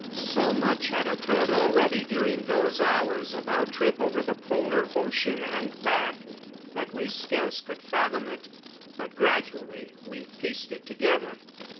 So much had occurred already during those hours of our trip over the Polar ocean and back that we scarce could fathom it. But gradually we pieced it together.